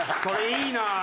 それいいな。